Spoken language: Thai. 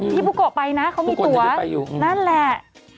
พี่ปุ๊กโกะไปนะเขามีตัวนั่นแหละ